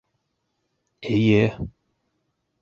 - Эйе...